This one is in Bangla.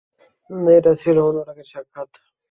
এটা ছিল অনুরাগের সাক্ষাৎ।